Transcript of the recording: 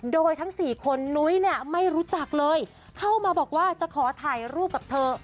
โดยทั้งสี่คนนุ้ยเนี่ยไม่รู้จักเลยเข้ามาบอกว่าจะขอถ่ายรูปกับเธอ